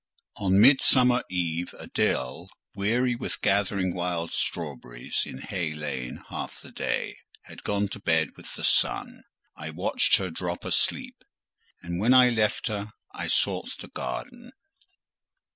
On Midsummer eve, Adèle, weary with gathering wild strawberries in Hay Lane half the day, had gone to bed with the sun. I watched her drop asleep, and when I left her, I sought the garden.